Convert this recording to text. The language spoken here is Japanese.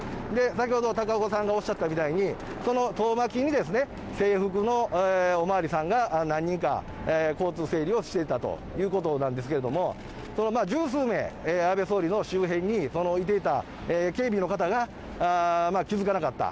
先ほど、高岡さんがおっしゃったみたいに、その遠巻きに制服のお巡りさんが、何人か、交通整理をしていたということなんですけれども、十数名、安倍総理の周辺にいていた警備の方が気付かなかった。